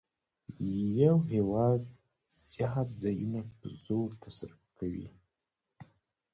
یو هېواد زیات ځایونه په زور تصرف کوي